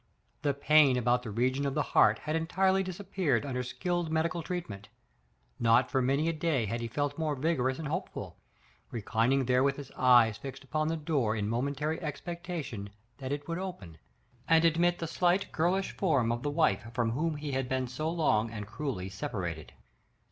The pain about the region of the heart had entirely disappeared under skilled med ical treatment ; not for many a day had he felt more vigorous and hopeful, reclining there with his eyes fixed upon the door in momentary expectation that it would open and admit the slight girlish form of the wife from whom he had been so long and cruelly separated.